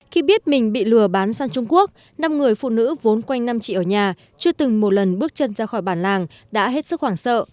khi biết mình bị lừa bán sang trung quốc năm người phụ nữ vốn quanh năm chị ở nhà chưa từng một lần bước chân ra khỏi bản làng đã hết sức hoảng sợ